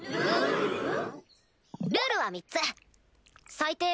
ルールは３つ最低